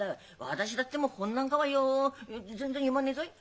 私だってもう本なんかはよ全然読まねえぞい。